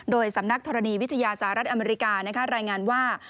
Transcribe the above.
โดยสำนักธรณีวิทยาสหรัฐอเมริการายงานว่า